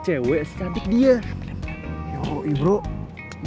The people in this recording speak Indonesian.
cewek cantik dia yoi bro enggak ada minusnya tuh ini nih baru cewek